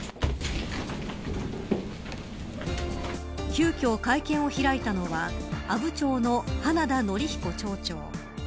急きょ会見を開いたのは阿武町の花田憲彦町長